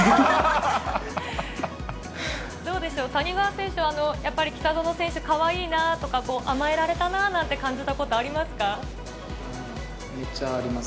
どうでしょう、谷川選手、やっぱり北園選手、かわいいなとか、甘えられたなって感じたことめっちゃあります。